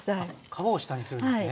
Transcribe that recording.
皮を下にするんですね？